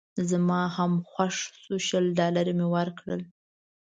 زما هم خوښ شو شل ډالره مې ورکړل.